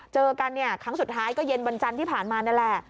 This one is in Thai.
เจอกันเนี่ยครั้งสุดท้ายก็เย็นวันจันทร์ที่ผ่านมานี่แหละ